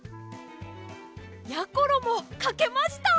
やころもかけました！